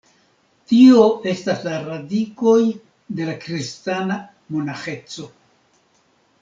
Tio estas la radikoj de la kristana monaĥeco.